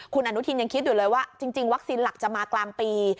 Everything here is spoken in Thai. คุณอนุทินยังคิดอยู่เลยว่าจริงวัคซีนหลักจะมากลางปี